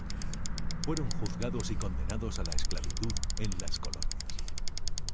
Fueron juzgados y condenados a la esclavitud en las colonias.